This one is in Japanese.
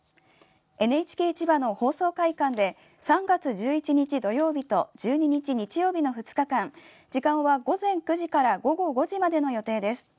ＮＨＫ千葉の放送会館で３月１１日、土曜日と１２日、日曜日の２日間時間は午前９時から午後５時までの予定です。